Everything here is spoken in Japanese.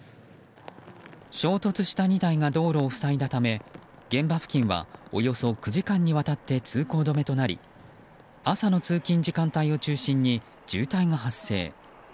衝突した２台が道路を塞いだため現場付近はおよそ９時間にわたって通行止めとなり朝の通勤時間帯を中心に渋滞が発生。